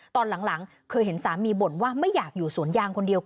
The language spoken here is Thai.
ตอนหลังเคยเห็นสามีบ่นว่าไม่อยากอยู่สวนยางคนเดียว